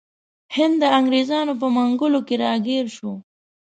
هند د انګریزانو په منګولو کې راګیر شو.